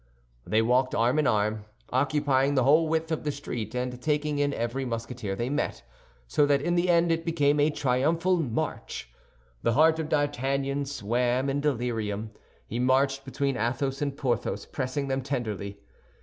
They walked arm in arm, occupying the whole width of the street and taking in every Musketeer they met, so that in the end it became a triumphal march. The heart of D'Artagnan swam in delirium; he marched between Athos and Porthos, pressing them tenderly.